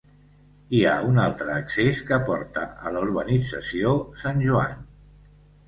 Hi ha un altre accés que porta a la urbanització Sant Joan.